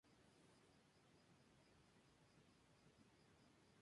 Se trata de un eje vial que comunica Orihuela con la costa.